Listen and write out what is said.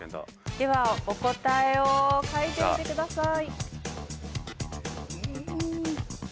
ではお答えを書いてみてください。